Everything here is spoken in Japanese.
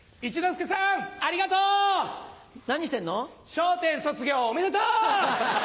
『笑点』卒業おめでとう！